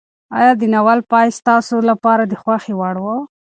ایا د ناول پای ستاسو لپاره د خوښۍ وړ و؟